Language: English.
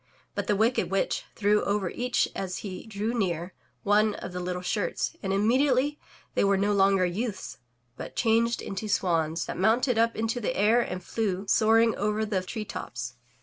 But the wicked witch threw over each as he drew near, one of the little shirts, and immediately they were no longer youths, but changed into swans, that mounted up into the air and flew, soaring over the tree tops.